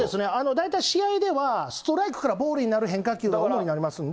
大体試合では、ストライクからボールになる変化球が主にありますんで。